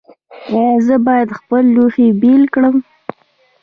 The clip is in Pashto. ایا زه باید خپل لوښي بیل کړم؟